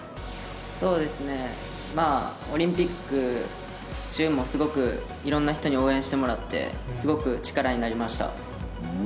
そうですね、まあ、オリンピック中もすごくいろんな人に応援してもらって、すごく力になりました。